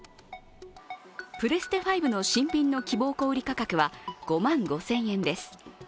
プレステ５の新品の希望小売価格は５万５０００円です。